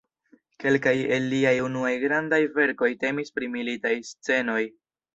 Kelkaj el liaj unuaj grandaj verkoj temis pri militaj scenoj.